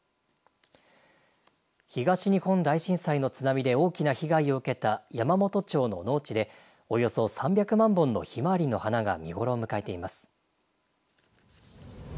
東日本大震災の津波で大きな被害を受けた山元町の農地でおよそ３００万本のひまわりの花が見頃を迎えています。